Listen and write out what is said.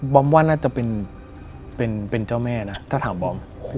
ว่าน่าจะเป็นเจ้าแม่นะถ้าถามบอม